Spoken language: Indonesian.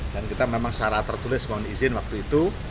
dan kita memang secara tertulis mohon izin waktu itu